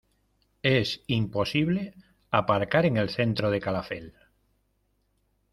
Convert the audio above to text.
Es imposible aparcar en el centro de Calafell.